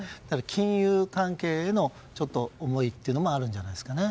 金融関係への思いというのがあるんじゃないですかね。